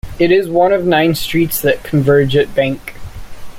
It is one of nine streets that converge at Bank.